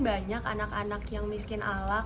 banyak anak anak yang miskin alat